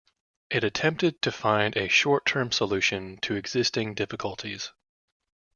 It attempted to find a "short-term solution to existing difficulties".